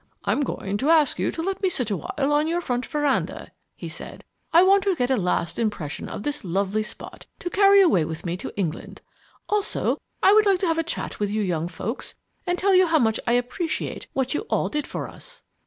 "I'm going to ask you to let me sit awhile on your front veranda," he said. "I want to get a last impression of this lovely spot to carry away with me to England. Also, I would like to have a chat with you young folks and tell you how much I appreciate what you all did for us."